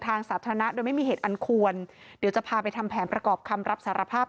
ทางสาธารณะโดยไม่มีเหตุอันควรเดี๋ยวจะพาไปทำแผนประกอบคำรับสารภาพ